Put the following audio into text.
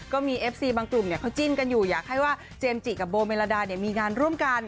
ก็มีเอฟซีบางกลุ่มเขาจิ้นกันอยู่อยากให้ว่าเจมส์จิกับโบเมลดามีงานร่วมกัน